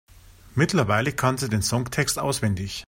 Mittlerweile kann sie den Songtext auswendig.